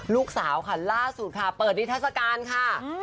ลูกสาวค่ะล่าสุดค่ะเปิดนิทัศกาลค่ะ